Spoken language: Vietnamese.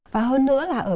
và hơn nữa là ở việt nam